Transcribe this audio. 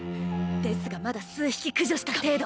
ですがまだ数匹駆除した程度。